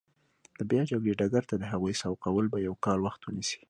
د بیا د جګړې ډګر ته د هغوی سوقول به یو کال وخت ونیسي.